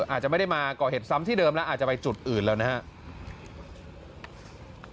อาจจะไม่ได้มาก่อเหตุซ้ำที่เดิมแล้วอาจจะไปจุดอื่นแล้วนะครับ